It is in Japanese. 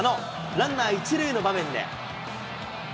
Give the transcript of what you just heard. ランナー１塁の場面で。